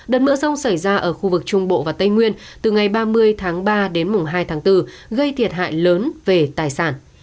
đợt mưa rông xảy ra ở khu vực trung bộ và tây nguyên từ ngày ba mươi tháng ba đến mùng hai tháng bốn gây thiệt hại lớn về tài sản